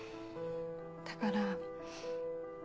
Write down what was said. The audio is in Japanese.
だから。